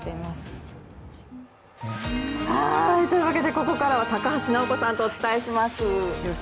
ここからは高橋尚子さんとお伝えします。